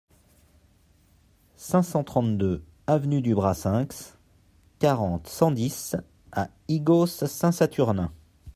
cinq cent trente-deux avenue du Brassenx, quarante, cent dix à Ygos-Saint-Saturnin